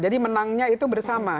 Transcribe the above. jadi menangnya itu bersama